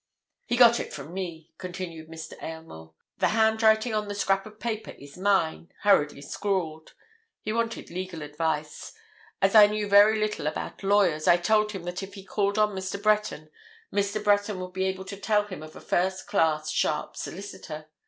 "He got it from me," continued Mr. Aylmore. "The handwriting on the scrap of paper is mine, hurriedly scrawled. He wanted legal advice. As I knew very little about lawyers, I told him that if he called on Mr. Breton, Mr. Breton would be able to tell him of a first class, sharp solicitor.